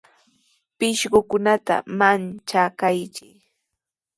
Pishqukunata manchakaachiy.